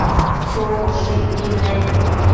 chumboshëcquid nec